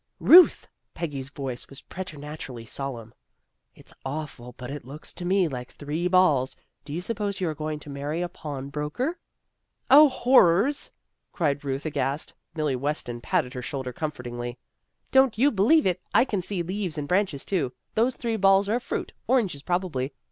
" Ruth! " Peggy's voice was preternaturally solemn. " It's awful, but it looks to me like three balls. Do you suppose you are going to marry a pawn broker? "" 0, horrors! " cried Ruth, aghast. Milly Weston patted her shoulder comfortingly. " Don't you believe it. I can see leaves and branches, too. Those three balls are fruit; oranges probably.